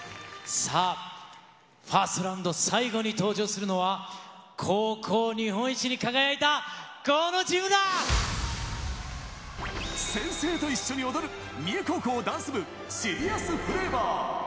さあ、ファーストラウンド最後に登場するのは、高校日本一に輝いたこの先生と一緒に踊る、三重高校ダンス部ＳＥＲＩＯＵＳＦＬＡＶＯＲ。